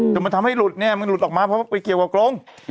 จนมันทำให้หลุดเนี่ยมันหลุดออกมาเพราะไปเกี่ยวกับกรง